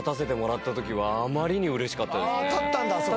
立ったんだあそこに！